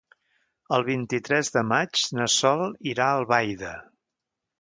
El vint-i-tres de maig na Sol irà a Albaida.